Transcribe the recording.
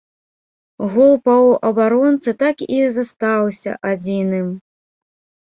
Гол паўабаронцы так і застаўся адзіным.